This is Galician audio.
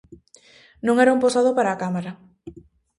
Non era un posado para a cámara.